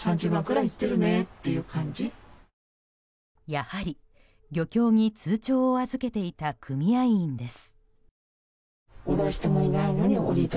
やはり漁協に通帳を預けていた組合員です。